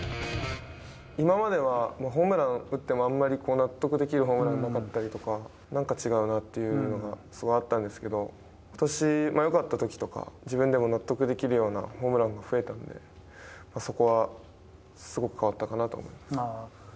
今まではホームラン打っても、あんまり納得できるホームランでなかったりとか、なんか違うなというのがあったんですけれども、ことし、よかったときとか、自分でも納得できるようなホームランが増えたので、そこはすごく変わったかなと思います。